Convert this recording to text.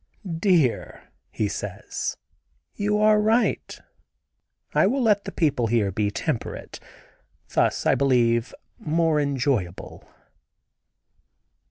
"Dear," he says, "you are right; I will let the people here be temperate; thus, I believe, more enjoyable."